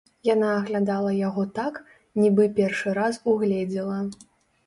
Яна аглядала яго так, нібы першы раз угледзела.